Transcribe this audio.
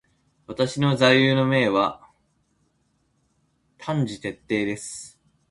私の座右の銘は凡事徹底です。